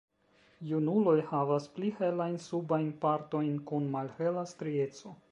Junuloj havas pli helajn subajn partojn kun malhela strieco.